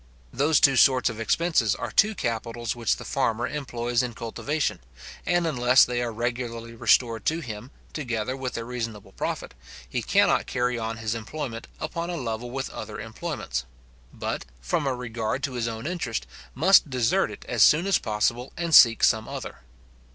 Those two sorts of expenses are two capitals which the farmer employs in cultivation; and unless they are regularly restored to him, together with a reasonable profit, he cannot carry on his employment upon a level with other employments; but, from a regard to his own interest, must desert it as soon as possible, and seek some other.